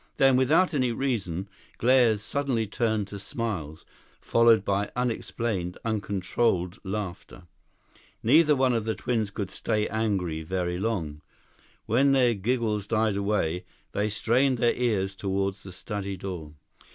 Then, without any reason, glares suddenly turned to smiles, followed by unexplained, uncontrolled laughter. Neither one of the twins could stay angry very long. When their giggles died away, they strained their ears toward the study door.